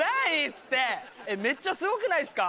つってめっちゃすごくないっすか？